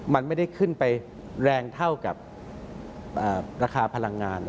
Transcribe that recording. มันไม่ได้ขึ้นไปแรงเท่ากับราคาพลังงาน